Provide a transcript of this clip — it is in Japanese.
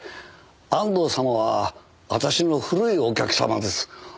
安藤様は私の古いお客様です。